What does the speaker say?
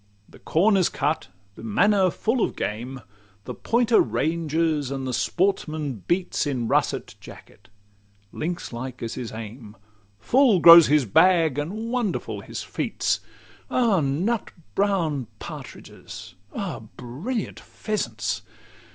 The corn is cut, the manor full of game; The pointer ranges, and the sportsman beats In russet jacket: lynx like is his aim; Full grows his bag, and wonderful his feats. Ah, nut brown partridges! Ah, brilliant pheasants!